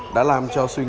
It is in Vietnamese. đã làm cho số bệnh mắc mắc